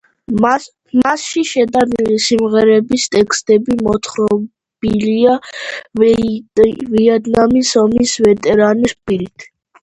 მასში შეტანილი სიმღერების ტექსტები მოთხრობილია ვიეტნამის ომის ვეტერანის პირით.